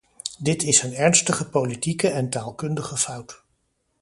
Dit is een ernstige politieke en taalkundige fout.